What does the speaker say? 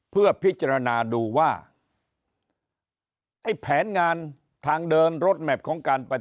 เพื่อพิจารณาดูว่าไอ้แผนงานทางเดินรถแมพของการไป